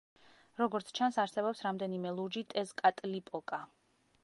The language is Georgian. როგორც ჩანს, არსებობს რამდენიმე ლურჯი ტეზკატლიპოკა.